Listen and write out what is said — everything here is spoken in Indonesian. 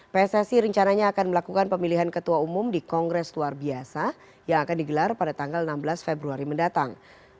pssi rencananya akan melakukan pemilihan ketua umum di kongres luar biasa yang akan digelar pada tanggal enam belas februari mendatang